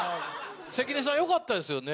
関根さんよかったですよね。